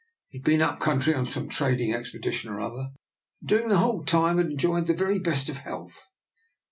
He had been up country on some trading expedition or other, and during the whole time had enjoyed the very best of health.